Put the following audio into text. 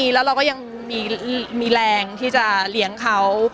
แล้วเราก็ยังมีแรงที่จะเลี้ยงเขา